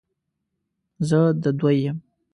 زه د دوی یم،